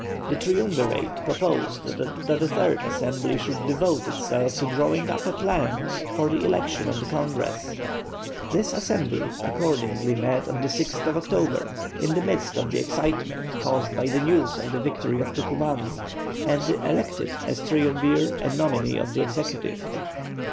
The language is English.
The Triumvirate proposed that a third Assembly should devote itself to drawing up a plan for the election of the Congress. This Assembly accordingly met on the 6th October, in the midst of the excitement caused by the news of the victory of Tucuman, and elected as Triumvir a nominee of the Executive.